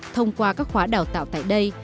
thông qua các khóa đào tạo tại đây